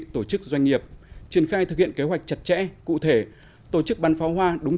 tổ chức doanh nghiệp triển khai thực hiện kế hoạch chặt chẽ cụ thể tổ chức bắn pháo hoa đúng